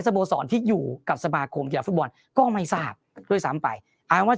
โบสรที่อยู่กับสมาคมกีฬาฟุตบอลก็ไม่ทราบด้วยซ้ำไปอ้างว่า